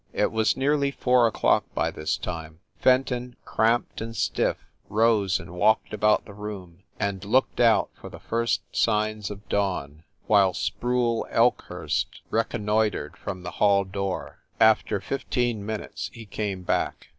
It was nearly four o clock by this time. Fenton, cramped and stiff, rose and walked about the room and looked out for the first signs of dawn, while Sproule Elkhurst reconnoitered from the hall door. After fifteen minutes he came back.